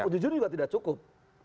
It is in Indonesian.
jujur juga tidak cukup